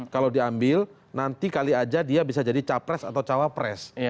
kalau diambil nanti kali aja dia bisa jadi capres atau cawapres